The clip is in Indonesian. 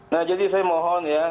nah jadi saya mohon ya